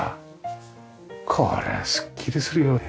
こりゃすっきりするよね。